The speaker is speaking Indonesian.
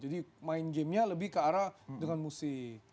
jadi main gamenya lebih ke arah dengan musik gitu